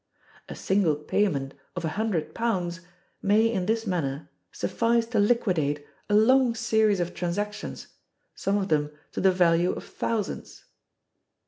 A single payment of a hundred pounds may in this manner suffice to liquidate a long series of transactions, some of them to the value of thousands.